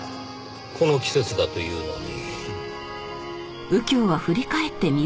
この季節だというのに。